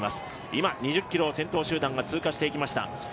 今、２０ｋｍを先頭集団が通過していきました。